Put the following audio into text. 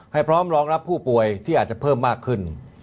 พร้อมรองรับผู้ป่วยที่อาจจะเพิ่มมากขึ้น